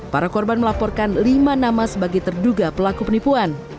para korban melaporkan lima nama sebagai terduga pelaku penipuan